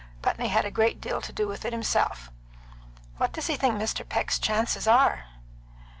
Putney had a great deal to do with it himself. What does he think Mr. Peck's chances are?"